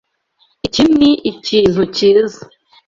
Iki ni ikintu cyiza.